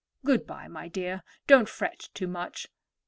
Good by, my dear. Don't fret too much.